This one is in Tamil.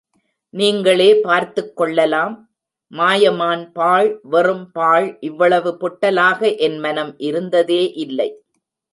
நீங்களே பார்த்துக்கொள்ளலாம் மாயமான் பாழ் வெறும்பாழ் இவ்வளவு பொட்டலாக என் மனம் இருந்ததே இல்லை.